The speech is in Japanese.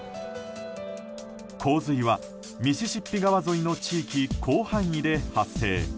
洪水はミシシッピ川沿いの地域広範囲で発生。